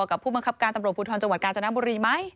กับผู้บังคับการตำรวจภูทรจังหวัดกาญจนบุรีไหม